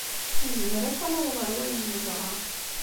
Nezmer akk ad naweḍ ar wayen nebɣa.